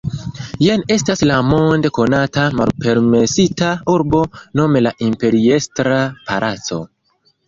Jen estas la monde konata Malpermesita Urbo, nome la Imperiestra Palaco.